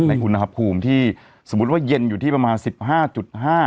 อุณหภูมิที่สมมุติว่าเย็นอยู่ที่ประมาณสิบห้าจุดห้า